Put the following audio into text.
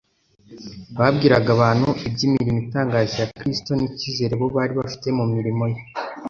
Babwiraga abantu iby’imirimo itangaje ya Kristo n’icyizere bo bari bafite mu murimo we